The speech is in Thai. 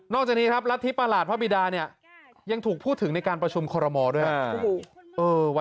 จากนี้ครับรัฐธิประหลาดพระบิดาเนี่ยยังถูกพูดถึงในการประชุมคอรมอลด้วยครับ